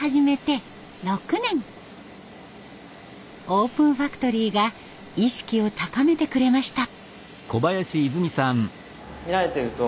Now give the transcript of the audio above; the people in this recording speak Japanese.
オープンファクトリーが意識を高めてくれました。